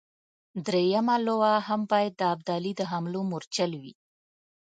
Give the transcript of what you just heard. درېمه لواء هم باید د ابدالي د حملو مورچل وي.